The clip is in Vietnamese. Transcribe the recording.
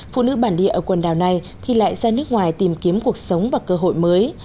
phụ nữ bản địa ở quần đảo này thì lại ra nước ngoài tìm kiếm cuộc sống và cơ hội mới